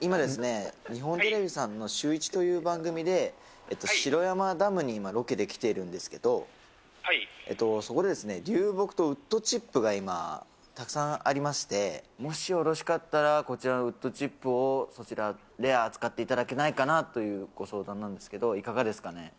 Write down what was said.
今ですね、日本テレビさんのシューイチという番組で、城山ダムに今ロケで来てるんですけど、そこで流木とウッドチップが今、たくさんありまして、もしよろしかったら、こちらのウッドチップをそちらで扱っていただけないかなというご相談なんですけれども、いかがですかね？